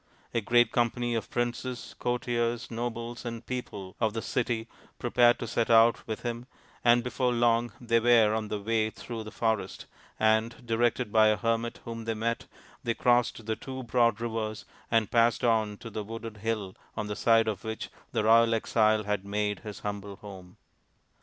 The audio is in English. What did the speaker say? A great company of princes, courtiers, nobles, and people of the city prepared to set out with him, and before long they were on their way through the forest, and, directed by a hermit whom they met, they crossed the two broad rivers and passed on to the wooded hill on the side of which the royal exile had made his humble home.